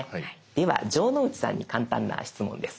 では城之内さんに簡単な質問です。